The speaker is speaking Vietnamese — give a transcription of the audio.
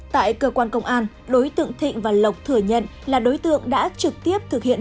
tại cơ quan công an đối tượng thịnh và lộc thừa nhận là đối tượng đã trực tiếp thực hiện